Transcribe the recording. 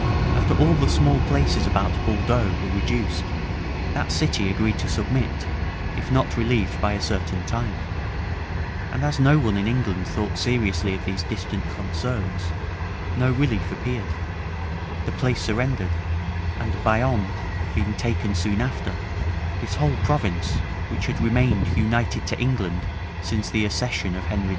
After all the small places about Bordeaux were reduced, that city agreed to submit, if not relieved by a certain time; and as no one in England thought Seriously of these distant concerns, no relief appeared; the place surrendered; and Bayonne being taken soon after, this whole province, which had remained united to England since the accession of Henry II.